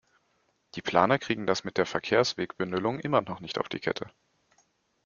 Die Planer kriegen das mit der Verkehrswegebündelung immer noch nicht auf die Kette.